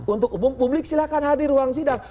untuk umum publik silahkan hadir ruang sidang